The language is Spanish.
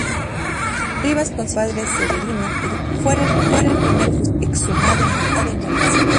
Rivas consiguió que su padre, Severino, fuera el primer fusilado exhumado en Galicia.